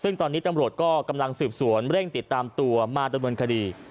ซึ่งตอนนี้ตำรวจก็กำลังสืบสวนเร่งติดตามตัวมาดำเนินคดี